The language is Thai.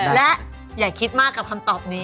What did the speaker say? และอย่าคิดมากกับคำตอบนี้